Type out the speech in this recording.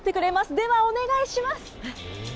では、お願いします。